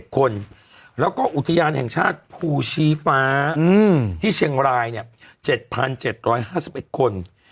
คนแล้วก็อุทยานแห่งชาติภูชีฟ้าที่เชียงราย๗๗๕๑คน